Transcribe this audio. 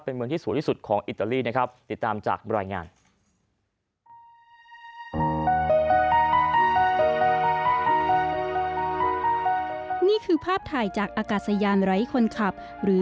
เป็นเมืองที่สูงที่สุดของอิตาลีนะครับ